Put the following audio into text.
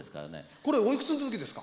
これおいくつの時ですか？